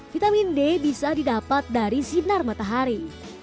vitamin d bisa didapat dari sinar matahari